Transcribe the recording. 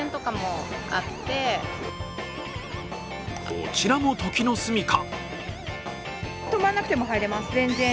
こちらも時のすみか。